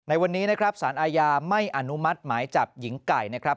ในวันนี้นะครับสารอาญาไม่อนุมัติหมายจับหญิงไก่นะครับ